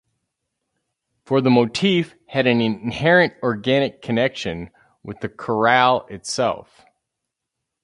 For the motif had an inherent organic connection with the chorale itself.